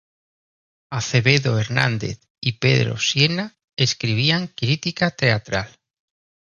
Acevedo Hernández y Pedro Sienna escribían crítica teatral.